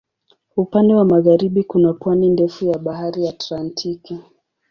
Upande wa magharibi kuna pwani ndefu ya Bahari Atlantiki.